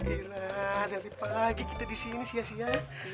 iya iya dari pagi kita disini sia sia